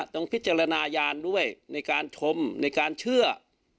ต้องพิจารณายานด้วยในการชมในการเชื่อ